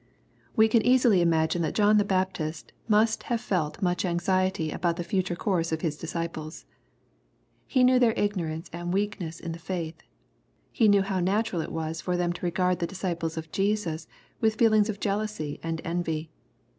We can easily imagine that John the Baptist must have felt much anxiety about the future course of his disciples. He knew their ignorance and weakness in the faith. He knew how natural it was for them to regard the disciples of Jesus with feelings of jealousy and envy.